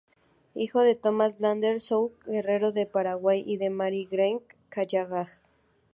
Hijo de Tomás Bradley Sutton, Guerrero del Paraguay y de Mary Hayes O’Callaghan.